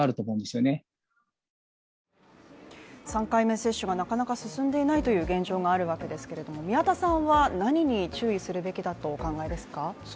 ３回目接種がなかなか進んでいないという現状があるわけですけれども宮田さんは何に注意するべきだとお考えですか？